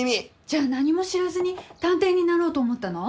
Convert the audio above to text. じゃあ何も知らずに探偵になろうと思ったの？